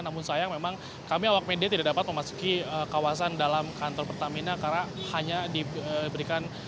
namun sayang memang kami awak media tidak dapat memasuki kawasan dalam kantor pertamina